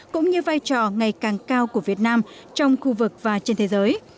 cũng như vai trò ngày càng cao của việt nam trong khu vực và trên thế giới